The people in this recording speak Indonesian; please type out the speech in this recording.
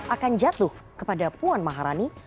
akan jatuh kepada puan maharani